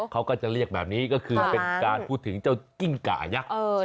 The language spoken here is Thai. เขาก็จะเรียกแบบนี้ก็คือเป็นการพูดถึงเจ้ากิ้งกายักษ์